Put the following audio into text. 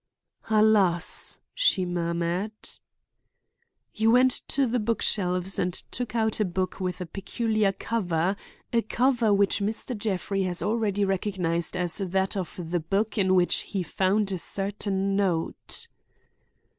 "Alas!" she murmured. "You went to the book shelves and took out a book with a peculiar cover, a cover which Mr. Jeffrey has already recognized as that of the book in which he found a certain note."